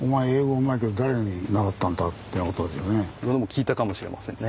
聞いたかもしれませんね。